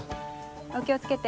お気を付けて。